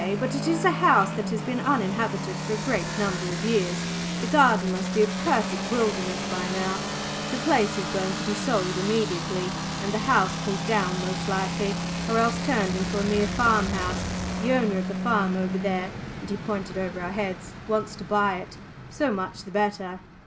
But it is a house that has been uninhabited for a great number of years the garden must be a perfect wilderness by now the place is going to be sold immediately, and the house pulled down most likely, or else turned into a mere farmhouse the owner of the farm over there," and he pointed over our heads, "wants to buy it. So much the better."